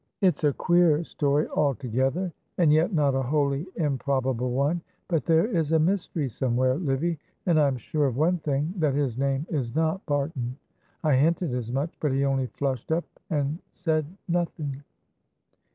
"It is a queer story altogether, and yet not a wholly improbable one; but there is a mystery somewhere, Livy, and I am sure of one thing, that his name is not Barton. I hinted as much, but he only flushed up and said nothing."